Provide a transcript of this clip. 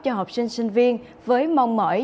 cho học sinh sinh viên với mong mỏi